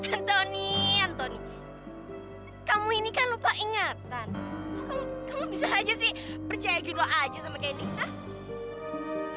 antoni antoni kamu ini kan lupa ingatan kok kamu kamu bisa aja sih percaya gitu aja sama gendy hah